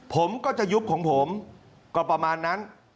ผมก็จะยุบของผมก็ประมาณนั้น